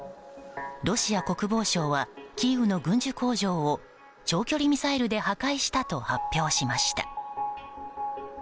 ロシア国防省はキーウの軍需工場を長距離ミサイルで破壊したと発表しました。